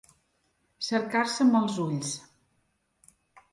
Cercar-se amb els ulls.